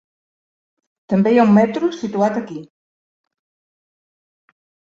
També hi ha un metro situat aquí.